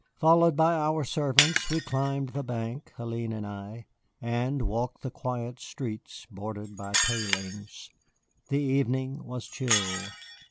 Followed by our servants we climbed the bank, Hélène and I, and walked the quiet streets bordered by palings. The evening was chill.